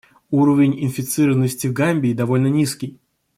Уровень инфицированности в Гамбии довольно низкий.